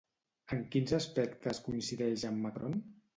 En quins aspectes coincideix amb Macron?